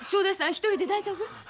一人で大丈夫？